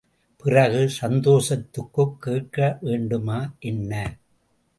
பிறகு, சந்தோஷத்துக்குக் கேட்க வேண்டுமா, என்ன?